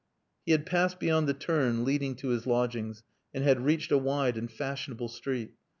He had passed beyond the turn leading to his lodgings, and had reached a wide and fashionable street.